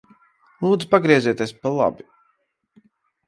Lūdzu pagriezieties pa labi.